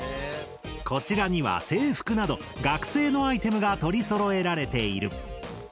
こちらには制服など学生のアイテムが取りそろえられている。